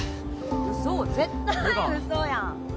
ウソ絶対ウソやん